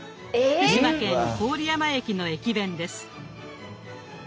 福島県郡山駅の駅弁です。